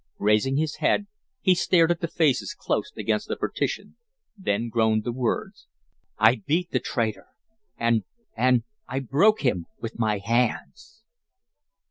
Raising his head he stared at the faces close against the partition, then groaned the words: "I beat the traitor and and I broke him with my hands!"